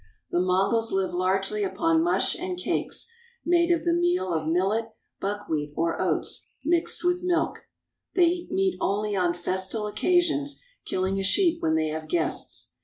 The Mongols live largely upon mush and cakes, made of the meal of millet, buckwheat, or oats, mixed with milk. They eat meat only on festal occasions, killing a sheep when they have guests.